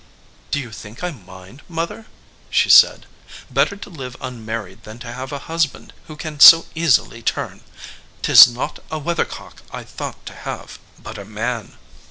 "Do you think I mind, Mother? * she said. "Better to live unmarried than to have a husband who can so easily turn. Tis not a weathercock I thought to have, but a man."